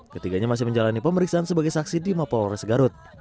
ketiganya masih menjalani pemeriksaan sebagai saksi di mapolores garut